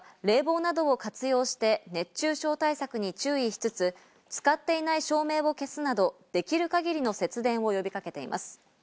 経産省は冷房など活用して熱中症対策に注意しつつ、使っていない照明を消すなど、できる限りの節電を呼びかけています。